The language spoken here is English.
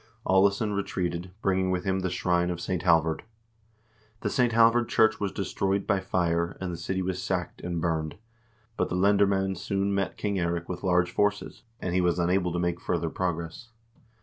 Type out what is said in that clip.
Aalesson retreated, bringing with him the shrine of St. Halvard. The St. Halvard church was de stroyed by fire and the city was sacked and burned, but the lender mcend soon met King Eirik with large forces, and he was unable to make further progress.